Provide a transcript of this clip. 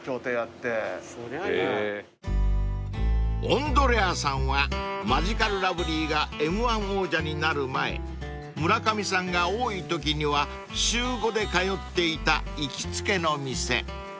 ［音鶏家さんはマヂカルラブリーが『Ｍ−１』王者になる前村上さんが多いときには週５で通っていた行きつけの店］